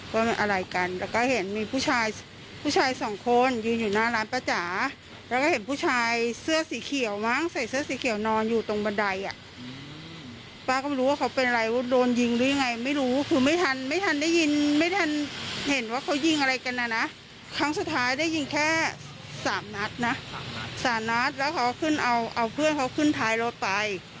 ครั้งสุดท้ายได้ยิงแค่สามนัดนะสามนัดสามนัดแล้วเขาขึ้นเอาเอาเพื่อนเขาขึ้นถ่ายรถไป